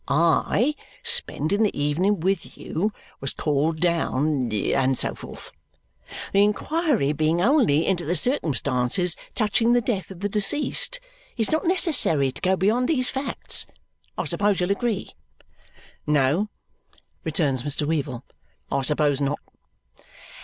I, spending the evening with you, was called down and so forth. The inquiry being only into the circumstances touching the death of the deceased, it's not necessary to go beyond these facts, I suppose you'll agree?" "No!" returns Mr. Weevle. "I suppose not."